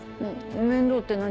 面倒って何が？